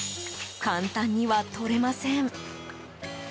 簡単には取れません。